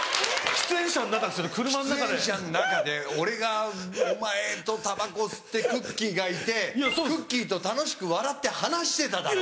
喫煙車の中で俺がお前とたばこ吸ってくっきー！がいてくっきー！と楽しく笑って話してただろ。